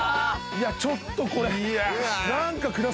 ちょっとこれ。